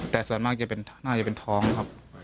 แต่ส่วนมากน่าจะเป็นท้องครับ